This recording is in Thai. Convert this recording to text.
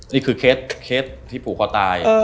นี่คือเคสที่ผูกคอตาย